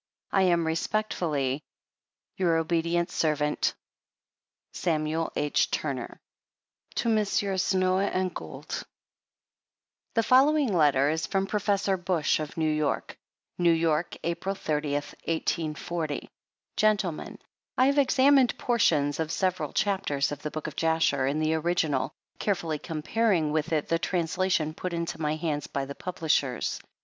I am respectfully. Your obt. serv't. To Messrs. Noah A Gould, SAMUEL H. TURNER The following letter is from Professor Bush of New York. New York, April 30, 1840. Gentlemen, I have examined portions of several chapters of the " Book of Jasher" in the original, carefully comparing with it the translation put into my hands by the publishers.